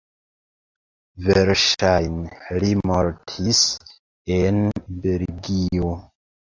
Verŝajne li mortis en Belgio.